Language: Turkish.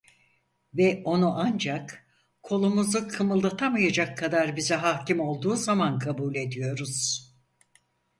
Ve onu ancak, kolumuzu kımıldatamayacak kadar bize hakim olduğu zaman kabul ediyoruz.